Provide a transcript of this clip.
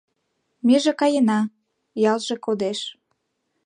Меже каена — ялже кодеш.